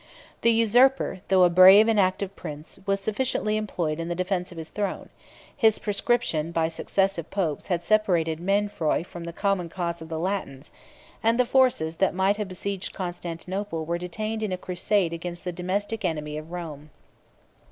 The usurper, though a brave and active prince, was sufficiently employed in the defence of his throne: his proscription by successive popes had separated Mainfroy from the common cause of the Latins; and the forces that might have besieged Constantinople were detained in a crusade against the domestic enemy of Rome.